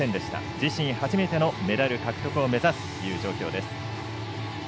自身初めてのメダル獲得を目指すという状況です。